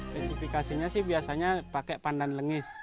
spesifikasinya sih biasanya pakai pandan lengis